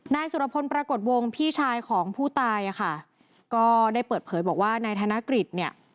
นายสุรพลปรากฏวงพี่ชายของผู้ตายอ่ะค่ะก็ได้เปิดเผยบอกว่านายธนกฤษเนี่ย